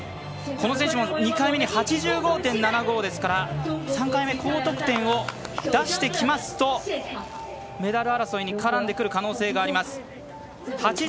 この選手も、２回目に８５．７５ですから３回目、高得点を出してきますとメダル争いに絡んでくる可能性があります。